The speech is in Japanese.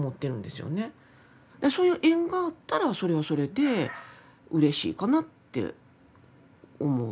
そういう縁があったらそれはそれでうれしいかなって思う。